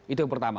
itu yang pertama